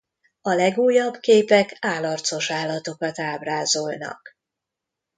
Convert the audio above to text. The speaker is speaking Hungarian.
A legújabb képek álarcos állatokat ábrázolnak.